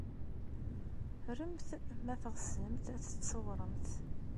Remt ma teɣsemt ad tettewremt!